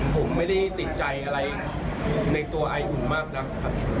ผมไม่ได้ติดใจอะไรในตัวไออุ่นมากนักครับ